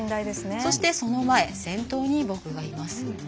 そして、その前先頭に僕がいます。